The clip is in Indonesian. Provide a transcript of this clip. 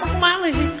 mau kemali sih